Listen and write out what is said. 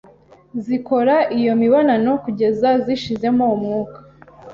zikora iyo mibonano kugera zishizemo umwuka.